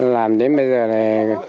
làm đến bây giờ là